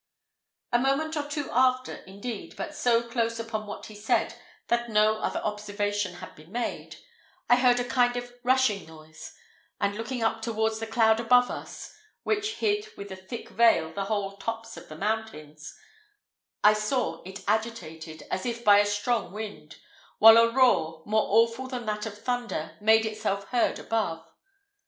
A moment or two after, indeed, but so close upon what he said that no other observation had been made, I heard a kind of rushing noise; and, looking up towards the cloud above us, which hid with a thick veil the whole tops of the mountains, I saw it agitated as if by a strong wind, while a roar, more awful than that of thunder, made itself heard above.